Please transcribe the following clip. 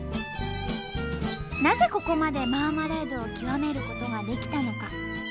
なぜここまでマーマレードを極めることができたのか。